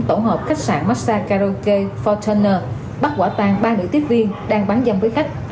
tổ hợp khách sạn messa karaoke forten bắt quả tàn ba nữ tiếp viên đang bán dâm với khách